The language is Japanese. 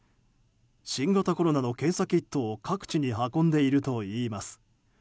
新型コロナの検査キットを各地に運んでいるといいます。